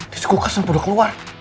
di sekokas sampe udah keluar